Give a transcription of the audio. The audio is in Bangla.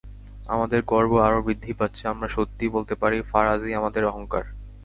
আমাদের গর্ব আরও বৃদ্ধি পাচ্ছে, আমরা সত্যিই বলতে পারি, ফারাজই আমাদের অহংকার।